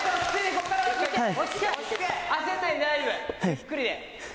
ゆっくりで。